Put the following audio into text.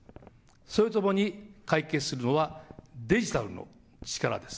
それとともに解決するのはデジタルの力です。